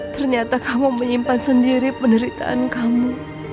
ternyata kamu menyimpan sendiri penderitaan kamu